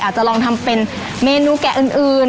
อาจจะลองทำเป็นเมนูแกะอื่น